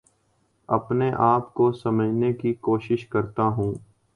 اپنے آپ کو سمجھنے کی کوشش کرتا ہوں